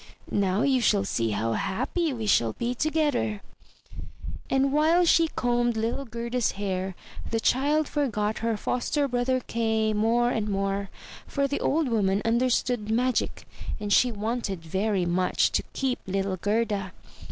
"Now you shall see how happy we shall be together." And while she combed little Gerda's hair, the child forgot her foster brother Kay more and more, for the old Woman understood magic, and she wanted very much to keep little Gerda.